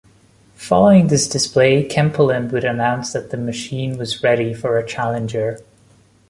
Following this display, Kempelen would announce that the machine was ready for a challenger.